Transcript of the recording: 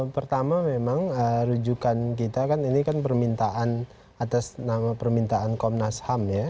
pertama memang rujukan kita kan ini kan permintaan atas nama permintaan komnas ham ya